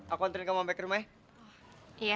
aku antri kamu sampai ke rumah ya